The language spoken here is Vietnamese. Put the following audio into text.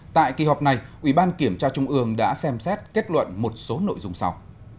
tại kỳ họp này ủy ban kiểm tra trung ương đã xem xét kết luận một số nội dung sau